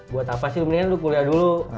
buat apa sih lu mendingan lu kuliah dulu